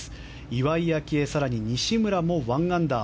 岩井明愛、更に西村も１アンダー。